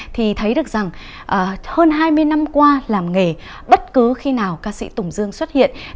thì thấy được rằng hơn hai mươi năm qua làm nghề bất cứ khi nào ca sĩ tùng dương xuất hiện